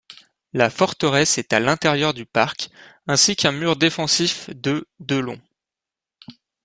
La forteresse est à l'intérieur du parc, ainsi qu'un mur défensif de de long.